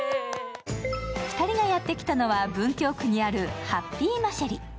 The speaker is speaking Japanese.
２人がやってきたのは文京区にあるハッピーマシェリ。